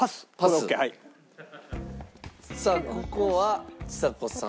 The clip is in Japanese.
さあここはちさ子さん。